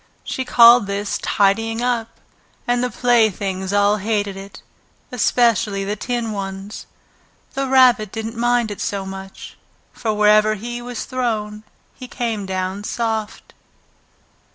She called this "tidying up," and the playthings all hated it, especially the tin ones. The Rabbit didn't mind it so much, for wherever he was thrown he came down soft.